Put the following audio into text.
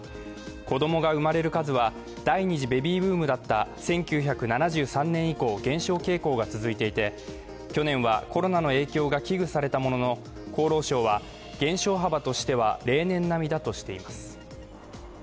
子供が生まれる数は第２次ベビーブームだった１９７３年以降減少傾向が続いていて、去年はコロナの影響が危惧されたものの、厚労省は減少幅としては例年並みだとしています。